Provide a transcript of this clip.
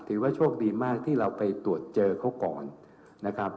ถือว่าโชคดีมากที่เราไปตรวจเจอเขาก่อนนะครับ